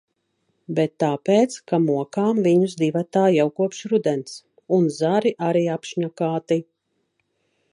Bet tāpēc, ka mokām viņus divatā jau kopš rudens. Un zari arī apšņakāti.